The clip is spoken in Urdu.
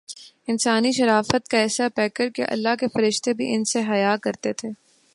انسانی شرافت کاایسا پیکرکہ اللہ کے فرشتے بھی ان سے حیا کرتے تھے۔